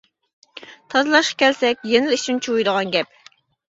تازىلاشقا كەلسەك، يەنىلا ئىچىنى چۇۋۇيدىغان گەپ.